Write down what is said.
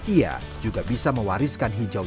ia juga bisa mewariskan hijau